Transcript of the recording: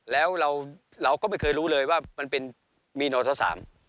แล้วเราก็ไม่เคยรู้เลยว่ามันเป็นมีนทศ